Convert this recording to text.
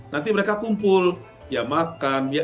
nanti mereka kumpul ya makan